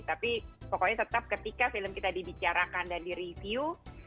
tapi pokoknya tetap ketika film kita dibicarakan dan direview